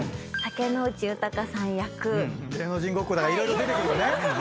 芸能人ごっこだから色々出てくるのね。